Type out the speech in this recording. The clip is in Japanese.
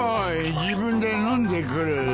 自分で飲んでくる。